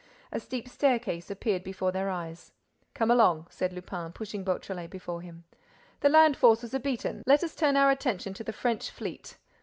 A steep staircase appeared before their eyes. "Come along," said Lupin, pushing Beautrelet before him. "The land forces are beaten—let us turn our attention to the French fleet.